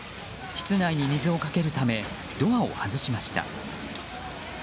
室内に水をかけるためドアを外しました。